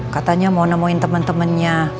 katanya mau nemuin temen temennya